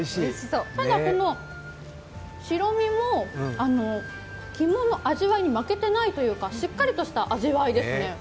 ただ、白身も肝の味わいに負けてないというかしっかりとした味わいですね。